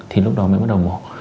thì lúc đó mới bắt đầu mổ